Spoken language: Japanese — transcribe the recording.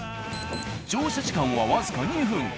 乗車時間は僅か２分。